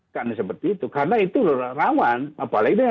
terus perhati hati awkwardnya